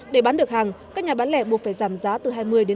để bán được hàng các nhà bán lẻ buộc phải giảm giá từ hai mươi năm mươi